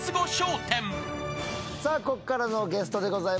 さあこっからのゲストでございます。